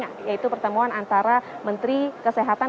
yaitu pertemuan antara menteri luar negeri dan anggota g dua puluh